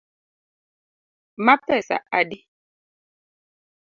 Ma pesa adi